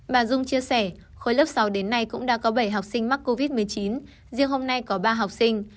bà dung chia sẻ khối lớp sáu đến nay cũng đã có bảy học sinh mắc covid một mươi chín riêng hôm nay có ba học sinh